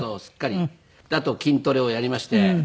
あと筋トレをやりまして。